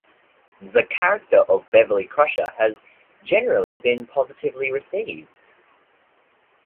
The character of Beverly Crusher has generally been positively received.